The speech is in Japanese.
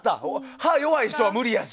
歯弱い人は無理やし。